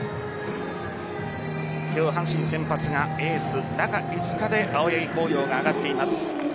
今日、阪神先発がエース中５日で青柳晃洋が上がっています。